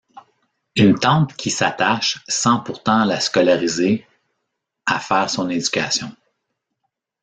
Une tante qui s’attache, sans pourtant la scolariser, à faire son éducation.